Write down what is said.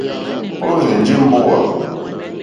Ó rzènjé mbówà.